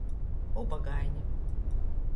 Ubagaine.